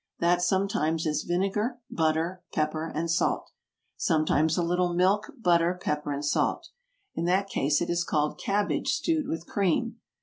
That sometimes is vinegar, butter, pepper, and salt. Sometimes a little milk, butter, pepper, and salt. In that case it is called cabbage stewed with cream.